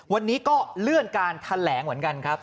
วันนี้ก็เลื่อนการแถลงเหมือนกันครับ